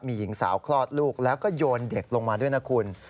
มีหญิงสาวคลอดลูกแล้วก็โยนเด็กลงมาด้วยนะคุณ